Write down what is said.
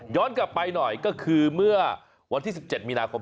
กลับไปหน่อยก็คือเมื่อวันที่๑๗มีนาคม